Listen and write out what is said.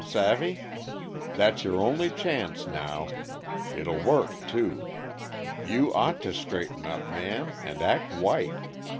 Savvy? That's your only chance now. It'll work, too. "You ought to straighten up, Man, and act white!